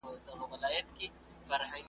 په تياره كي د جگړې په خلاصېدو سو ,